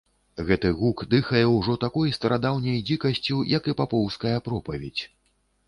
Гэты гук дыхае ўжо такой старадаўняй дзікасцю, як і папоўская пропаведзь.